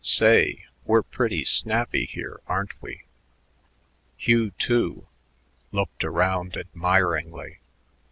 "Say, we're pretty snappy here, aren't we?" Hugh, too, looked around admiringly.